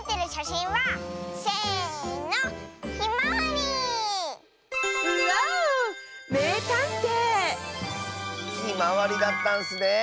ひまわりだったんスねえ。